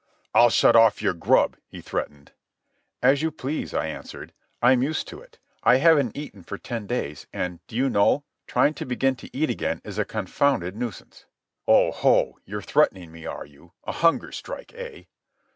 "I'll shut off your grub," he threatened. "As you please," I answered. "I'm used to it. I haven't eaten for ten days, and, do you know, trying to begin to eat again is a confounded nuisance. "Oh, ho, you're threatening me, are you? A hunger strike, eh?"